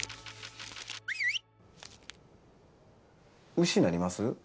うしになります？